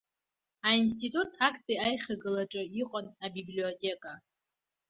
Аинститут актәи аихагылаҿы иҟан абиблиотека.